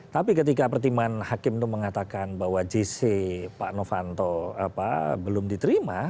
tapi ketika pertimbangan hakim itu mengatakan bahwa jc pak novanto belum diterima